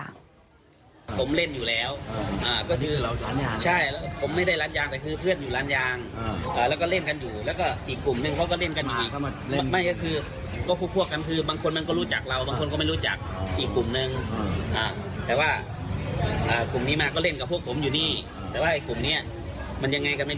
เออก็มีเรื่องกันแค่นั้น